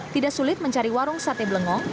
tidak sulit mencari warung sate blengong